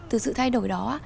từ sự thay đổi đó